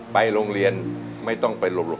ไปโรงเรียนไม่ต้องไปหลบ